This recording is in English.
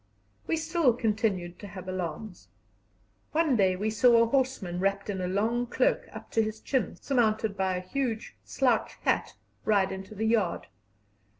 We still continued to have alarms. One day we saw a horseman wrapped in a long cloak up to his chin, surmounted by a huge slouch hat, ride into the yard.